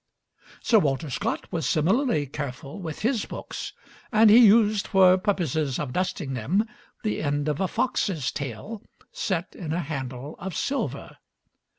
Sir Walter Scott was similarly careful with his books, and he used, for purposes of dusting them, the end of a fox's tail set in a handle of silver.